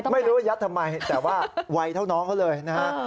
ไม่รู้ว่ายัดทำไมแต่ว่าวัยเท่านั้นก็เลยนะครับ